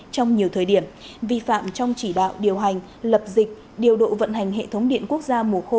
trong nhiều thời điểm vi phạm trong chỉ đạo điều hành lập dịch điều độ vận hành hệ thống điện quốc gia mùa khô